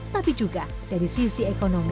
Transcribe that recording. tapi juga dari sisi ekonomi